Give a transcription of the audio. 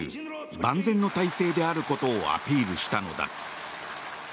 万全の体制であることをアピールしたのだ。